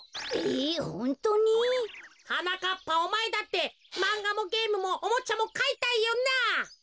えホントに？はなかっぱおまえだってまんがもゲームもおもちゃもかいたいよな？